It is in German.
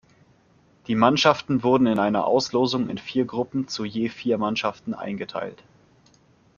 Die Mannschaften wurden in einer Auslosung in vier Gruppen zu je vier Mannschaften eingeteilt.